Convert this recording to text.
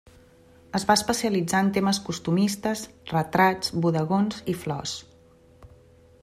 Es va especialitzar en temes costumistes, retrats, bodegons i flors.